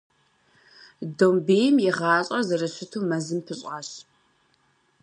Домбейм и гъащӏэр зэрыщыту мэзым пыщӏащ.